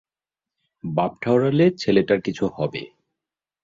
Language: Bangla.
বাপ ঠাওরালে ছেলেটার কিছু হবে।